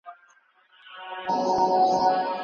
ایا نوي کروندګر وچ توت خرڅوي؟